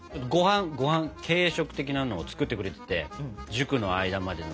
ごはん軽食的なのを作ってくれてて塾の間までの。